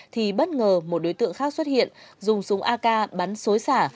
thì bất ngờ một đối tượng khác xuất hiện dùng súng ak bắn xối xả